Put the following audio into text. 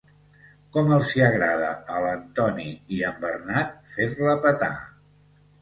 Com els hi agrada a l'Antoni i en Bernat fer-la petar.